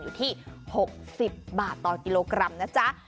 อยู่ที่๖๐บาทต่อกิโลกรัม